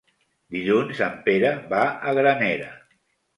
Dilluns en Pere va a Granera.